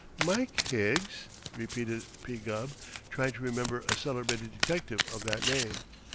"Mike Higgs?" repeated P. Gubb, trying to remember a celebrated detective of that name.